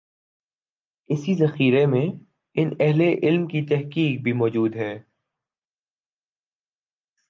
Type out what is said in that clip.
اسی ذخیرے میں ان اہل علم کی تحقیق بھی موجود ہے۔